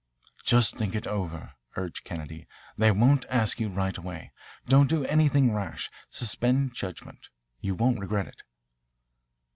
"Just think it over," urged Kennedy. "They won't ask you right away. Don't do anything rash. Suspend judgment. You won't regret it."